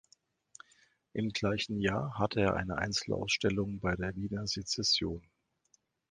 Im gleichen Jahr hatte er eine Einzelausstellung bei der Wiener Secession.